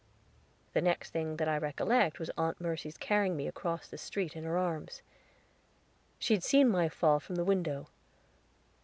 The next thing that I recollect was Aunt Mercy's carrying me across the street in her arms. She had seen my fall from the window.